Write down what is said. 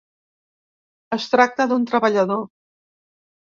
Es tracta d’un treballador.